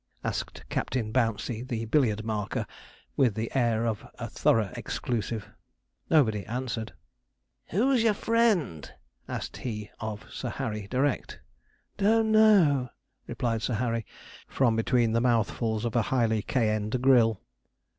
asked Captain Bouncey, the billiard marker, with the air of a thorough exclusive. Nobody answered. 'Who's your friend?' asked he of Sir Harry direct. 'Don't know,' replied Sir Harry, from between the mouthfuls of a highly cayenned grill.